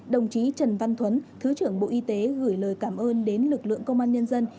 đồng chí trần văn thuấn thứ trưởng bộ y tế gửi lời cảm ơn đến lực lượng công an nhân dân